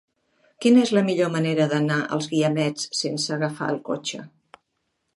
Quina és la millor manera d'anar als Guiamets sense agafar el cotxe?